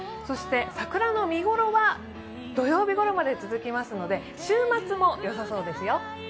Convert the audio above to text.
そして、桜の見頃は土曜日ごろまで続きますので、週末も良さそうですよ。